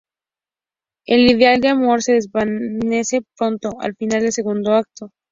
El ideal de amor se desvanece pronto, al final del segundo acto.